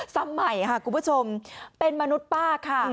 สมัยค่ะคุณผู้ชมเป็นมนุษย์ป้าค่ะ